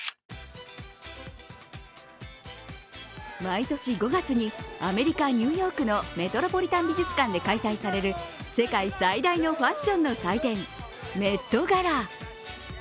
毎年５月にアメリカ・ニューヨークのメトロポリタン美術館で開催される世界最大のファッションの祭典メット・ガラ。